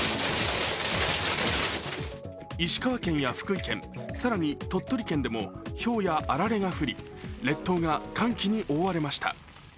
石川県や福井県、更に鳥取県でもひょうやあられが降り列島が寒気に覆われました。